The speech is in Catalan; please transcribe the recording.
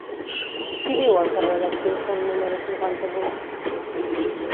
Qui viu al carrer dels Pinzón número cinquanta-vuit?